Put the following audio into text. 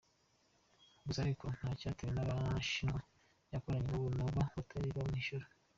Gusa ariko, ngo cyatewe n’abashinwa yakoranye nabo, nabo batari bamwishyura.